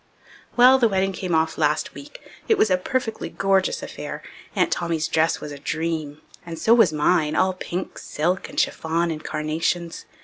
Well, the wedding came off last week. It was a perfectly gorgeous affair. Aunt Tommy's dress was a dream and so was mine, all pink silk and chiffon and carnations.